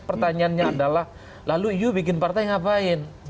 pertanyaannya adalah lalu yuk bikin partai ngapain